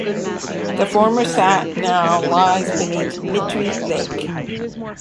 Its former site now lies beneath Mittry Lake.